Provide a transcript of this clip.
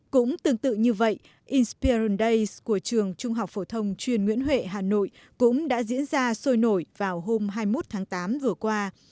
cũng tương tự như vậy inspiaran day của trường trung học phổ thông chuyên nguyễn huệ hà nội cũng đã diễn ra sôi nổi vào hôm hai mươi một tháng tám vừa qua